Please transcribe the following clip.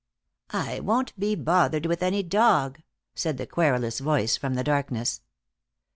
"I won't be bothered with any dog," said the querulous voice, from the darkness.